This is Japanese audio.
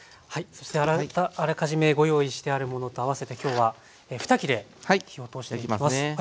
そしてあらかじめご用意してあるものとあわせて今日は２切れ火を通していきます。